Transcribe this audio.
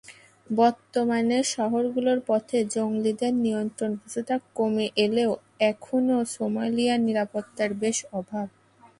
বর্তমানে শহরগুলোর পথে জঙ্গিদের নিয়ন্ত্রণ কিছুটা কমে এলেও এখনো সোমালিয়া নিরাপত্তার বেশ অভাব।